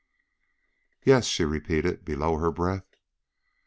"Yes," she repeated, below her breath.